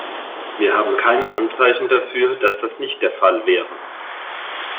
Wir haben keine Anzeichen dafür, dass das nicht der Fall wäre.